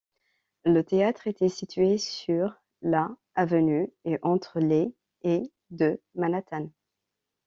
Le théâtre était situé sur la Avenue et entre les et de Manhattan.